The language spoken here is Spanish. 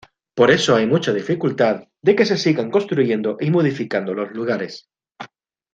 Por eso hay mucha dificultad de que se sigan construyendo y modificando los lugares.